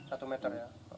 satu meter ya